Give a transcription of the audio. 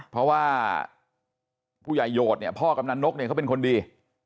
เพราะว่าผู้ใหญ่โหดเนี่ยพ่อกำนันนกเนี่ยเขาเป็นคนดี